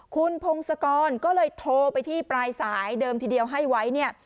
คุณพงศกรก็เลยโทรไปที่ปลายสายเดิมทีเดียวให้ไว้เนี่ย